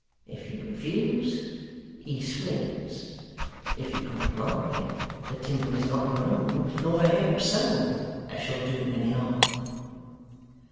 If you refuse, he swings. If you comply, the timber is not grown, nor the hemp sown, that shall do him any harm."